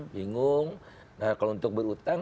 bingung kalau untuk berutang